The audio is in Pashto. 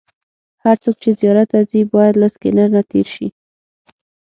هر څوک چې زیارت ته ځي باید له سکېنر نه تېر شي.